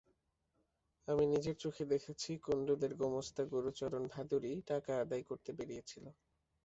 আমি নিজের চোখে দেখেছি, কুণ্ডুদের গোমস্তা গুরুচরণ ভাদুড়ি টাকা আদায় করতে বেরিয়েছিল।